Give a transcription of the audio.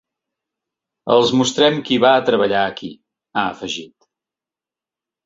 “Els mostrem qui va treballar aquí”, ha afegit.